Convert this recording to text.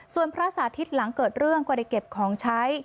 ส่วนพระสาธิตหลังเกิดเรื่องก็ได้เก็บของใช้